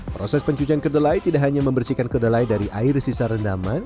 proses pencucian kedelai tidak hanya membersihkan kedelai dari air sisa rendaman